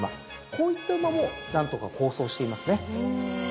こういった馬も何とか好走していますね。